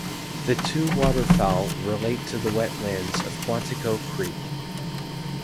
The two water fowl relate to the wetlands of Quantico Creek.